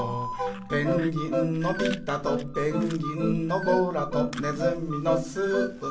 「ペンギンのピタとペンギンのゴラとねずみのスーと」